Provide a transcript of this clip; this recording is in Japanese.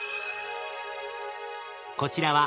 こちらは